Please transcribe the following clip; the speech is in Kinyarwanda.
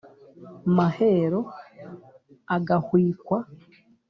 Mahero agahwikwa